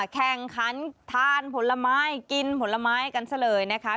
แข่งขันทานผลไม้กินผลไม้กันซะเลยนะคะ